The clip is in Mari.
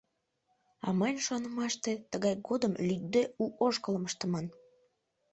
А мыйын шонымаште, тыгай годым лӱдде у ошкылым ыштыман.